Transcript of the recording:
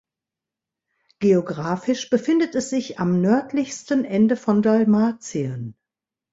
Geographisch befindet es sich am nördlichsten Ende von Dalmatien.